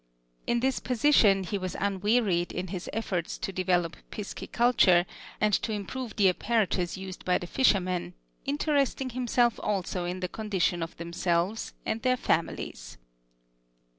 In this position he was unwearied in his efforts to develop pisciculture, and to improve the apparatus used by the fishermen, interesting himself also in the condition of themselves and their families.